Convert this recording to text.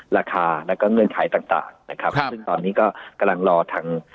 ราคาแล้วก็เงื่อนไขต่างต่างนะครับซึ่งตอนนี้ก็กำลังรอทาง